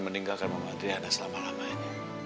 meninggalkan mama adriana selama lamanya